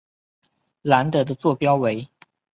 兰德的座标为。